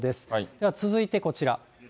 では続いてこちら。